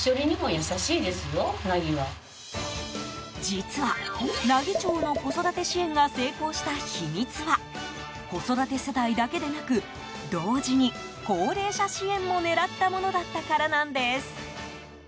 実は、奈義町の子育て支援が成功した秘密は子育て世代だけでなく同時に高齢者支援も狙ったものだったからなんです。